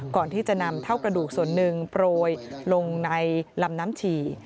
ก่อนที่จะนำเท่ากระดูกส่วนหนึ่งโปรยลงในลำน้ำฉี่